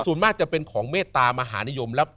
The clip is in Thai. ส่วนมากจะเป็นของเมตตามหานิยมแล้ว